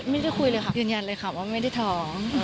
ไม่ได้คุยเลยค่ะยืนยันเลยค่ะว่าไม่ได้ท้อง